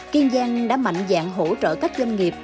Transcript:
kiên giang đã mạnh dạng hỗ trợ các doanh nghiệp